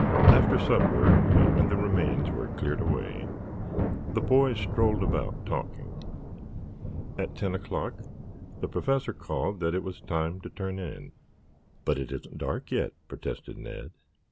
After supper, and when the remains were cleared away, the boys strolled about, talking. At ten o'clock the Professor called that it was time to turn in. "But it isn't dark yet," protested Ned.